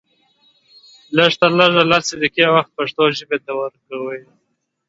لږ تر لږه لس دقيقې وخت پښتو ژبې ته ورکوئ